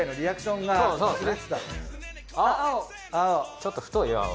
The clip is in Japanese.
ちょっと太いよ青。